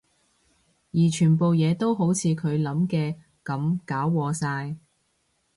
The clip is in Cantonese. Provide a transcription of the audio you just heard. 而全部嘢都好似佢諗嘅噉搞禍晒